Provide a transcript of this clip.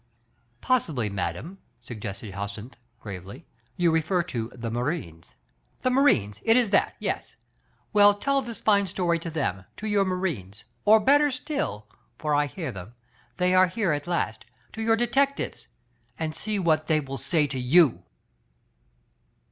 " Possibly, madame," suggested Jacynth gravely, "you refer to the Marines?" 'The Marines — it is that, yes. Well, tell this fine story to them — to your Marines. Or, better still, for I hear them, they are here at last, to your detectives, and see what they will say to you